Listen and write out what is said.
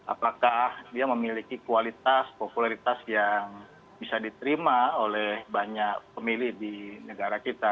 apakah dia memiliki kualitas popularitas yang bisa diterima oleh banyak pemilih di negara kita